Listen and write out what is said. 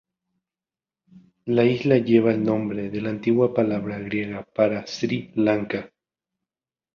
La isla lleva el nombre de la antigua palabra griega para Sri Lanka.